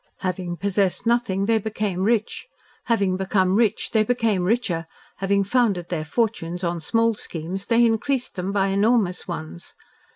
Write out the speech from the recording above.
Having possessed nothing, they became rich, having become rich they became richer, having founded their fortunes on small schemes, they increased them by enormous ones.